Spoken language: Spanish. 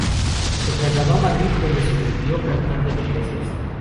Se trasladó a Madrid, donde sobrevivió cantando en iglesias.